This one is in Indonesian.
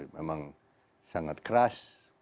memang sangat keras